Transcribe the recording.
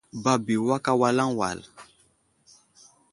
Babo i awak awalaŋ wal.